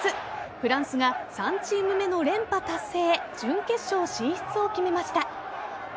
フランスが３チーム目の連覇達成へ準決勝進出を決めました。